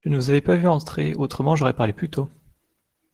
Je ne vous avais pas vu entrer, autrement j'aurais parlé plus tôt.